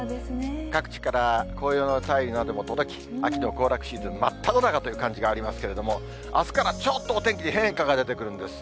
各地から紅葉の便りなども届き、秋の行楽シーズン真っただ中という感じがありますけれども、あすからちょっとお天気、変化が出てくるんです。